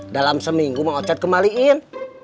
dalam seminggu mang ochan kembaliin